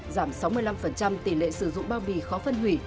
giảm sáu mươi năm tỷ lệ sử dụng bao bì khó phân hủy